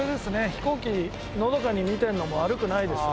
飛行機のどかに見てるのも悪くないですね。